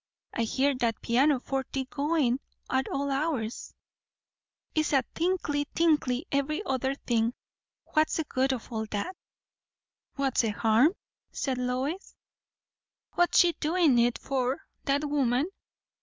I hear that piano forty going at all hours; it's tinkle, tinkle, every other thing. What's the good of all that?" "What's the harm?" said Lois. "What's she doin' it for, that woman?